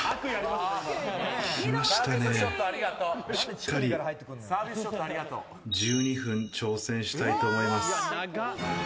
しっかり１２分、挑戦したいと思います。